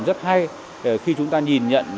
rất hay khi chúng ta nhìn nhận